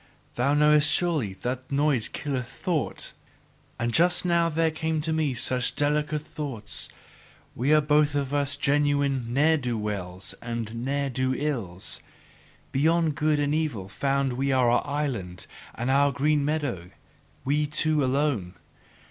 Thou knowest surely that noise killeth thought, and just now there came to me such delicate thoughts. We are both of us genuine ne'er do wells and ne'er do ills. Beyond good and evil found we our island and our green meadow we two alone!